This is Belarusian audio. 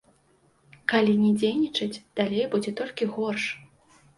Калі не дзейнічаць, далей будзе толькі горш.